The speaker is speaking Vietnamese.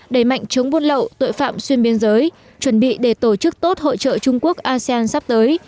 đẩy mạnh chống buôn lậu tội phạm xuyên biên giới chuẩn bị để tổ chức tốt hội trợ trung quốc asean sắp tới